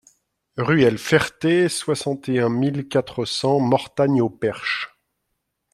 Ruelle Ferté, soixante et un mille quatre cents Mortagne-au-Perche